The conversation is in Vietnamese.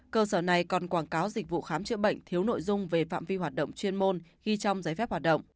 cơ sở này còn quảng cáo dịch vụ khám chữa bệnh thiếu nội dung về phạm vi hoạt động chuyên môn ghi trong giấy phép hoạt động